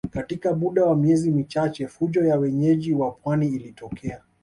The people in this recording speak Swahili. Katika muda wa miezi michache fujo ya wenyeji wa pwani ilitokea